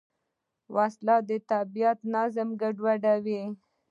وسله د طبیعت نظم ګډوډوي